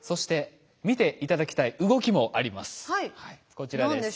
こちらです。